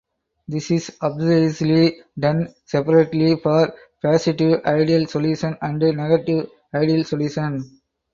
This is obviously done separately for positive ideal solution and negative ideal solution.